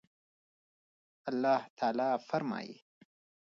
الله تعالى فرمايي